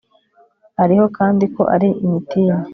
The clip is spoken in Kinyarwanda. ariho kandi ko ari imitini